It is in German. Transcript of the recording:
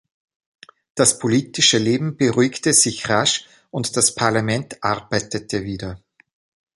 Das politische Leben beruhigte sich rasch und das Parlament arbeitete wieder.